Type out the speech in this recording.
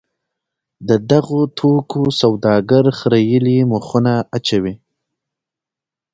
د دغو توکو سوداګر خریېلي مخونه اچوي.